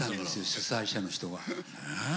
主催者の人が。